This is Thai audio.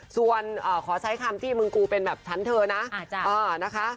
ส่วนขอใช้คำที่มึงกูเป็นแบบฉันเธอนะนะคะ